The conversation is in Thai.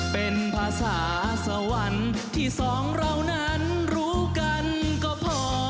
เป็นภาษาสวรรค์ที่สองเรานั้นรู้กันก็พอ